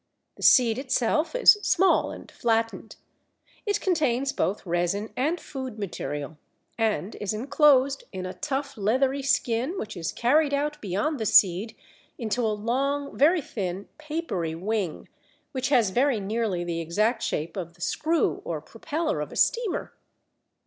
The seed itself is small and flattened. It contains both resin and food material, and is enclosed in a tough leathery skin which is carried out beyond the seed into a long, very thin, papery wing, which has very nearly the exact shape of the screw or propeller of a steamer.